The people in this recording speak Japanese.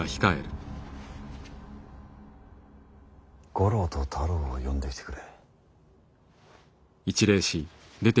五郎と太郎を呼んできてくれ。